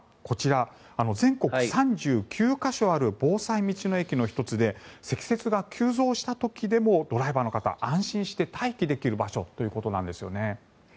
こちら、全国３９か所ある防災道の駅の１つで積雪が急増した時でもドライバーの方が安心して待機できる場所ということなんですよね。